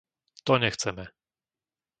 To nechceme!